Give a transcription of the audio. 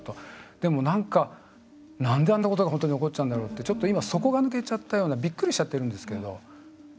でもなんか、なんであんなことが本当に起こっちゃうんだろうってちょっと今底が抜けちゃったようなびっくりしちゃってるんですけど。